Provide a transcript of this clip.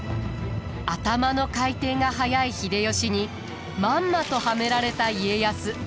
頭の回転が速い秀吉にまんまとはめられた家康。